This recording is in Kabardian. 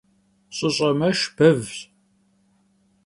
Ş'ış'e meşş bevş.